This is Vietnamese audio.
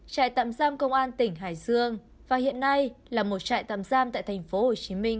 trại tạm giam công an tỉnh hải dương và hiện nay là một trại tạm giam tại tp hồ chí minh